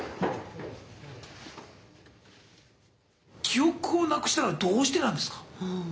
「記憶をなくしたのはどうしてなんですか？」。